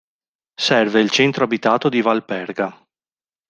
Serve il centro abitato di Valperga.